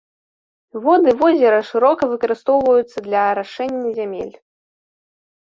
Воды возера шырока выкарыстоўваюцца для арашэння зямель.